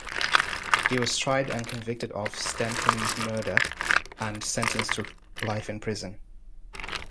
He was tried and convicted of Stethem's murder and sentenced to life in prison.